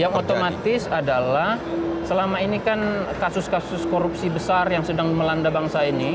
yang otomatis adalah selama ini kan kasus kasus korupsi besar yang sedang melanda bangsa ini